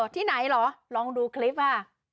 ที่ไหนเหรอลองดูคลิปว่า